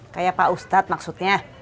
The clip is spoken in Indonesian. kayak pak ustaz maksudnya